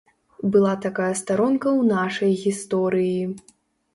Была такая старонка ў нашай гісторыі.